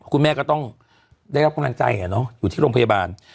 คุณแม่ก็ต้องได้รับกำลังใจอยู่ที่โรงพยาบาล